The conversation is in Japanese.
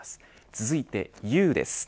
続いてＵです。